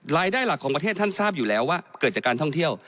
รายได้หลักของประเทศท่านทราบอยู่แล้วว่าเกิดจากการท่องเที่ยว